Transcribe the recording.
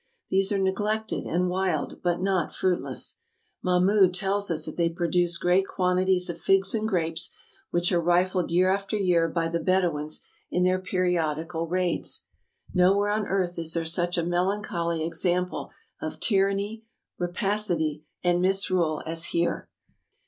These are neglected and wild, but not fruitless. Mahmood tells us that they produce great quantities of figs and grapes, which are rifled year after year by the Bedouins in their periodical raids. Nowhere on earth is there such a melancholy example of tyranny, rapacity, and misrule as here.